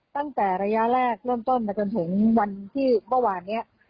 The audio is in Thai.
ตั้งแต่ระยะแรกเริ่มต้นมาจนถึงวันที่เมื่อวานนี้